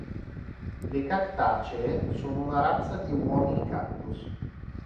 Le cactacee sono una razza di uomini-cactus.